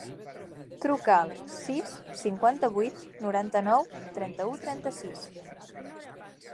Truca al sis, cinquanta-vuit, noranta-nou, trenta-u, trenta-sis.